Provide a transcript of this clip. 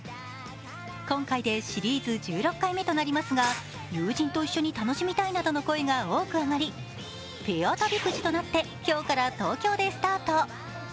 今回でシリーズ１６回目となりますが、友人と一緒に楽しみたいなどの声が多く上がりペア旅くじとなって今日から東京でスタート。